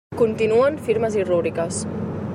Continuen firmes i rúbriques.